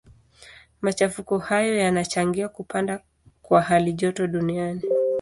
Machafuko hayo yanachangia kupanda kwa halijoto duniani.